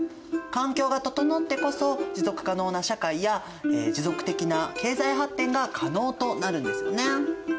環境が整ってこそ持続可能な社会や持続的な経済発展が可能となるんですよね。